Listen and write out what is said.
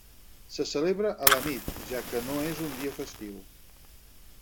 Se celebra a la nit, ja que no és un dia festiu.